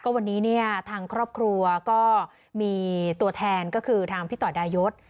วันนี้เนี่ยทางครอบครัวก็มีตัวแทนก็คือทางพี่ต่อดายศ